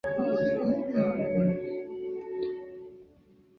此书封面是当时中共中央主席华国锋所题。